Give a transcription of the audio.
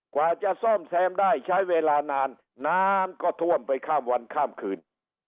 กว่าจะซ่อมแซมได้ใช้เวลานานน้ำก็ท่วมไปข้ามวันข้ามคืน